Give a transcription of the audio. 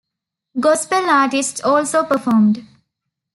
Gospel artists also performed.